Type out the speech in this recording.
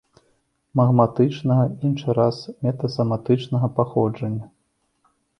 Магматычнага, іншы раз метасаматычнага паходжання.